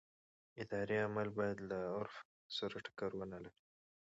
اداري عمل باید له عرف سره ټکر ونه لري.